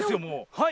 はい。